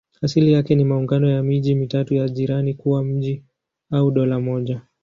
Asili yake ni maungano ya miji mitatu ya jirani kuwa mji au dola moja.